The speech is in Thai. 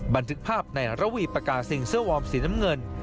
บันทึกภาพในระวีปากาซิงเสื้อวอร์มสีน้ำเงิน